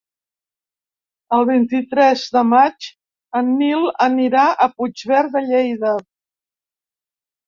El vint-i-tres de maig en Nil anirà a Puigverd de Lleida.